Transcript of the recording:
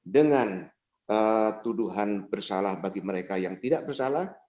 dengan tuduhan bersalah bagi mereka yang tidak bersalah